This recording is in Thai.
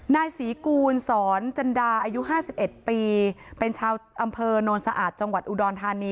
นายศรีกูลสอนจันดาอายุ๕๑ปีเป็นชาวอำเภอโนนสะอาดจังหวัดอุดรธานี